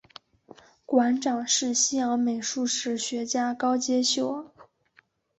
馆长是西洋美术史学家高阶秀尔。